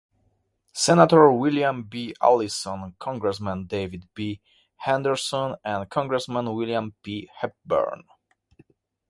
Senator William B. Allison, Congressman David B. Henderson and Congressman William P. Hepburn.